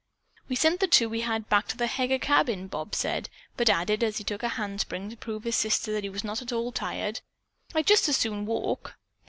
"We sent the two we had back to the Heger cabin," Bob said, but added, as he took a handspring to prove to his sister that he was not at all tired, "I'd just as soon walk."